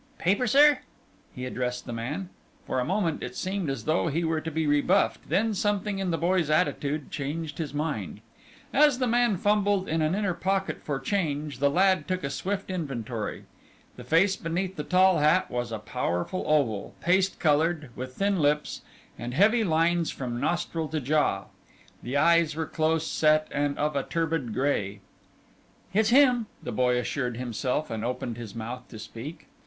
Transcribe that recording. "Paper, sir?" He addressed the man. For a moment it seemed as though he were to be rebuffed, then something in the boy's attitude changed his mind. As the man fumbled in an inner pocket for change, the lad took a swift inventory. The face beneath the tall hat was a powerful oval, paste coloured, with thin lips, and heavy lines from nostril to jaw. The eyes were close set and of a turbid grey. "It's him," the boy assured himself, and opened his mouth to speak.